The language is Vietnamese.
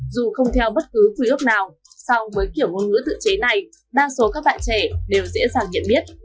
dù không theo bất cứ quy ước nào song với kiểu ngôn ngữ tự chế này đa số các bạn trẻ đều dễ dàng nhận biết